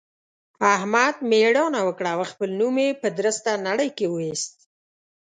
احمد مېړانه وکړه او خپل نوم يې په درسته نړۍ کې واېست.